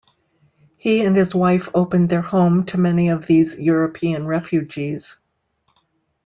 He and his wife opened their home to many of these European refugees.